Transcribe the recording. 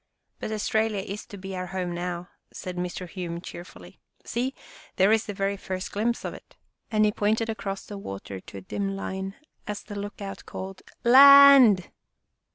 " But Australia is to be our home now," said Mr. Hume cheerfully. " See, there is the very first glimpse of it," and he pointed across the 2 Our Little Australian Cousin water to a dim line, as the look out called "Land!"